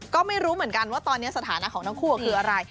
ก็ไม่รู้เหมือนกันว่าตอนนี้สถานะของทั้งคู่คืออะไร